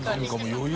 余裕。